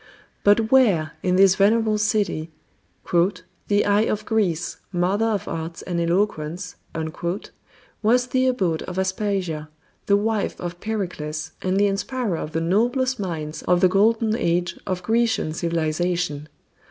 But where, in this venerable city "the eye of Greece, mother of arts and eloquence" was the abode of Aspasia, the wife of Pericles and the inspirer of the noblest minds of the Golden Age of Grecian civilization?